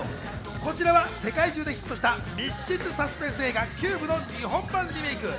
こちらは世界中でヒットした密室サスペンス映画『ＣＵＢＥ』の日本版リメイク。